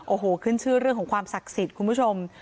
โอ้โหขึ้นชื่อเรื่องของความศักดิ์สิทธิ์คุณผู้ชม